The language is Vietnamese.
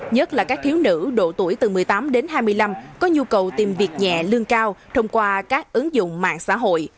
nhất là các thiếu nữ độ tuổi từ một mươi tám đến hai mươi năm có nhu cầu tìm việc nhẹ lương cao thông qua các ứng dụng mạng xã hội